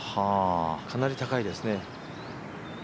かなり高いですね。